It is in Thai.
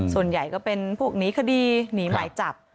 ส่วนใหญ่ก็เป็นพวกหนีคดีหนีหมายจับ